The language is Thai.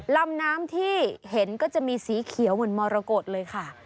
ลำน้ำที่เห็นก็จะมีสีเขียวเหมือนมรกฏเลยค่ะ